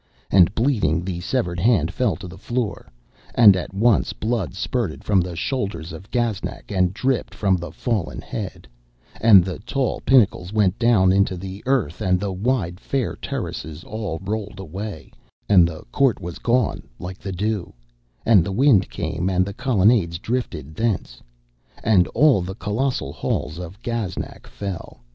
And bleeding, the severed hand fell to the floor; and at once blood spurted from the shoulders of Gaznak and dripped from the fallen head, and the tall pinnacles went down into the earth, and the wide fair terraces all rolled away, and the court was gone like the dew, and a wind came and the colonnades drifted thence, and all the colossal halls of Gaznak fell.